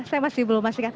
saya masih belum masih lihat